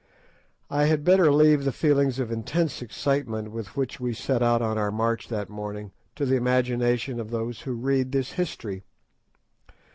I had better leave the feelings of intense excitement with which we set out on our march that morning to the imagination of those who read this history.